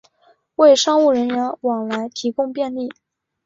为商务人员往来提供便利